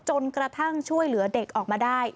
จนกระทั่งช่วยเหลือเด็กออกมาได้